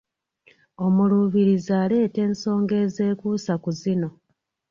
Omuluubirizi aleete ensonga ezeekuusa ku zino